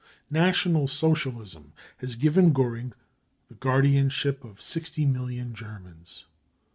National Socialism has given Goering the guardianship of 60 million Germans.